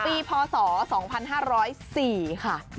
พศ๒๕๐๔ค่ะ